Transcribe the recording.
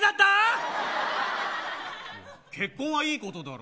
結婚はいいことだろ。